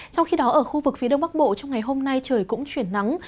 trong khi đó ở khu vực phía đông bắc bộ trong ngày hôm nay trời cũng chuyển nắng